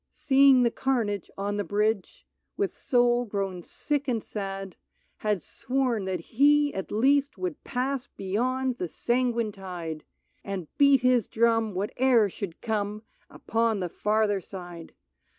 — Seeing the carnage on the bridge, With soul grown sick and sad, 49 A BALLAD OF A DRUM Had sworn that he, at least, would pass Beyond the sanguine tide. And beat his drum, whate'er should come, Upon the farther side.